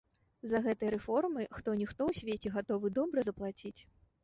За гэтыя рэформы хто-ніхто ў свеце гатовы добра заплаціць.